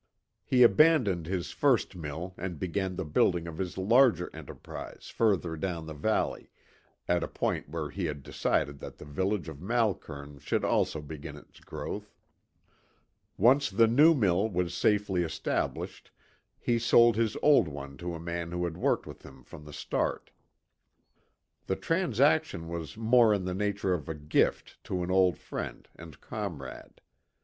He abandoned his first mill and began the building of his larger enterprise further down the valley, at a point where he had decided that the village of Malkern should also begin its growth. Once the new mill was safely established he sold his old one to a man who had worked with him from the start. The transaction was more in the nature of a gift to an old friend and comrade.